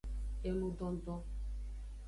Engudondon.